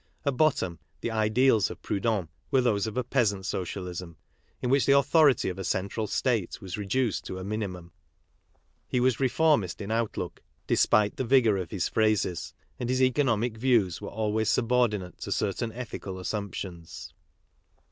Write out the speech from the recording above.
At_bottoin, Jh e ideals of P roudhon were those lof a peasant soc iaBsm, ilTwhich the authority of a central state was reduced to a minimum ; he was re formist in outlook, despite the vigour of his phrases, land his economic views were always subordinate to certain ethical assumptions.